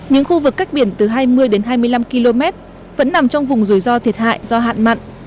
những khu vực cách biển từ hai mươi đến hai mươi năm km vẫn nằm trong vùng rủi ro thiệt hại do hạn mặn